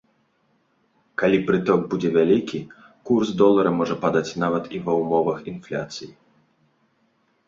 Калі прыток будзе вялікі, курс долара можа падаць нават і ва ўмовах інфляцыі.